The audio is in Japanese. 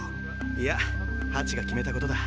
いやハチが決めたことだ。